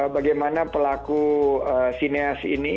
bagaimana pelaku sineas ini